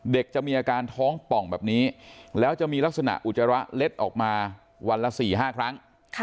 จะมีอาการท้องป่องแบบนี้แล้วจะมีลักษณะอุจจาระเล็ดออกมาวันละ๔๕ครั้ง